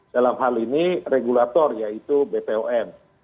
dalam hal ini regulator yaitu bpom